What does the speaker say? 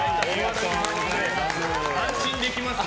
安心できますね。